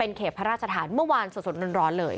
เขตพระราชฐานเมื่อวานสดร้อนเลย